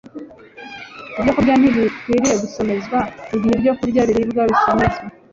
ibyokurya ntibikwiriye gusomezwa. igihe ibyokurya biribwa bisomezwa